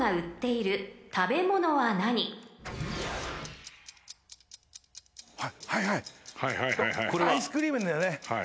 はいはいアイスクリームなんだよね。